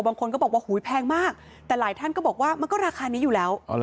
บางคนก็บอกว่าหูยแพงมากแต่หลายท่านก็บอกว่ามันก็ราคานี้อยู่แล้ว